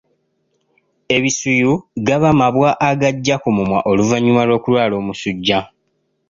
Ebisuyu gaba mabwa agajja ku mumwa oluvannyuma lw’okulwala omusujja.